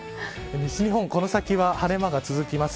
西日本この先は、晴れ間が続きます。